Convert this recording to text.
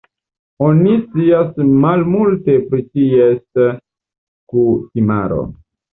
Oni scias malmulte pri ties kutimaro.